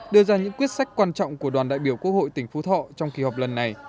đưa ra những quyết sách quan trọng của đoàn đại biểu quốc hội tỉnh phú thọ trong kỳ họp lần này